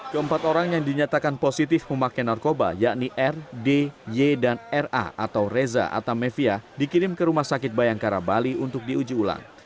keempat orang yang dinyatakan positif memakai narkoba yakni r d y dan ra atau reza atamevia dikirim ke rumah sakit bayangkara bali untuk diuji ulang